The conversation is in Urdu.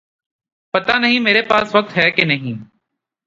پتا نہیں میرے پاس وقت ہے کہ نہیں